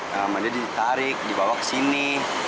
nah dia ditarik dibawa ke sini